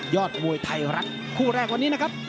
มวยไทยรัฐคู่แรกวันนี้นะครับ